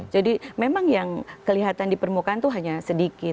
jadi memang yang kelihatan di permukaan itu hanya sedikit